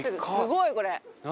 何？